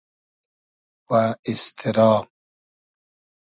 و ایستیرا